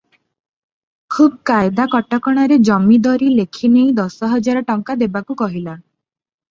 ଖୁବ୍ କାଏଦା କଟକଣାରେ ଜମିଦରୀ ଲେଖି ନେଇ ଦଶ ହଜାର ଟଙ୍କା ଦେବାକୁ କହିଲା ।